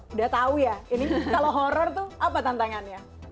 udah tahu ya ini kalau horror tuh apa tantangannya